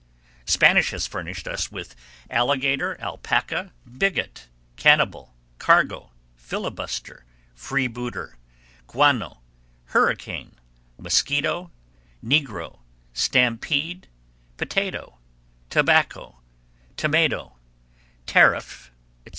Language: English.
Spanish has furnished us with alligator, alpaca, bigot, cannibal, cargo, filibuster, freebooter, guano, hurricane, mosquito, negro, stampede, potato, tobacco, tomato, tariff, etc.